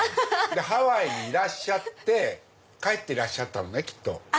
でハワイにいらっしゃって帰ってらっしゃったのねきっと。